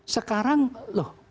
sekarang loh kok